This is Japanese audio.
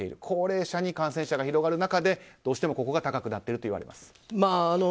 高齢者に感染者が広がる中でどうしてもここが高くなっているといわれます。